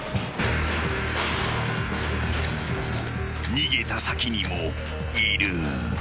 ［逃げた先にもいる］